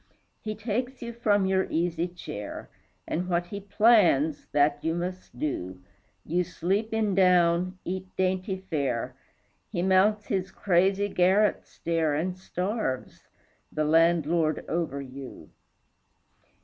He takes you from your easy chair, And what he plans, that you must do. You sleep in down, eat dainty fare, He mounts his crazy garret stair And starves, the landlord over you.